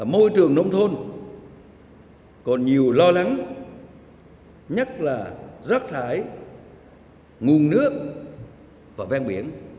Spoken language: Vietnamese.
môi trường nông thôn còn nhiều lo lắng nhất là rác thải nguồn nước và ven biển